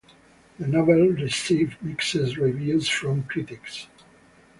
The novel received mixed reviews from critics.